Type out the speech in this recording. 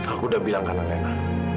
aku udah bilang karena lena